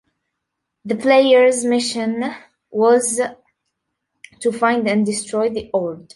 The player's mission was to find and destroy the orb.